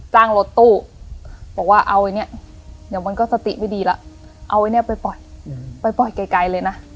จ้างรถตู้บอกว่าเอาไอ้เนี่ยเดี๋ยวมันก็สติไม่ดีแล้วเอาไอ้เนี่ยไปปล่อยไปปล่อยไกลเลยนะ